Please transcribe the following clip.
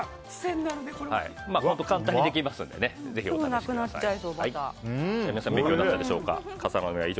本当に簡単にできますのでぜひお試しください。